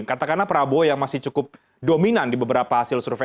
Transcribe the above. katakanlah prabowo yang masih cukup dominan di beberapa hasil survei